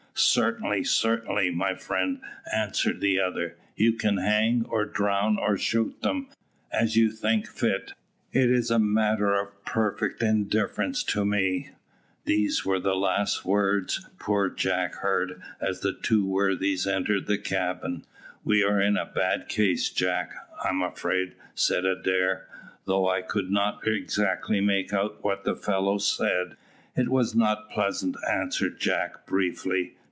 "Certainly, certainly, my friend," answered the other: "you can hang, or drown, or shoot them, as you think fit. It is a matter of perfect indifference to me." These were the last words poor Jack heard as the two worthies entered the cabin. "We are in a bad case, Jack, I am afraid," said Adair, "though I could not exactly make out what the fellows said." "It was not pleasant," answered Jack, briefly.